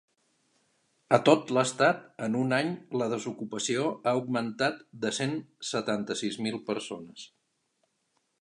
A tot l’estat, en un any, la desocupació ha augmentat de cent setanta-sis mil persones.